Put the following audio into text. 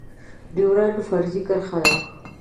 ډيورنډ فرضي کرښه ده